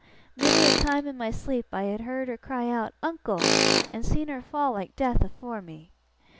Many a time in my sleep had I heerd her cry out, "Uncle!" and seen her fall like death afore me.